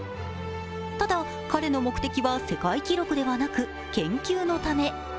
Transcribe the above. ただ、彼の目的は世界記録ではなく研究のため。